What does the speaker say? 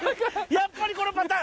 やっぱりこのパターン。